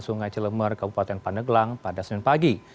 sungai celemer kabupaten paneglang pada senin pagi